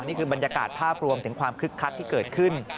นี่คือบรรยากาศภาพรวมถึงความคึกคักที่เกิดขึ้น